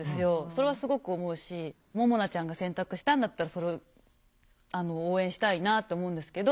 それはすごく思うしももなちゃんが選択したんだったらそれを応援したいなと思うんですけど。